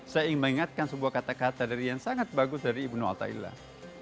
saya ingin mengingatkan sebuah kata kata yang sangat bagus dari ibnu al tailah